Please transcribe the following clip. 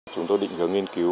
chúng tôi định hướng nghiên cứu